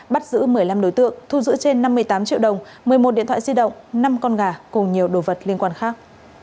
bắt giữ một mươi năm đối tượng thu giữ trên năm mươi tám triệu đồng một mươi một điện thoại di động năm con gà cùng nhiều đồ vật liên quan khác